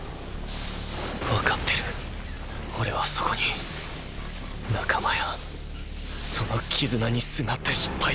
わかってるオレはそこに仲間やその絆にすがって失敗した。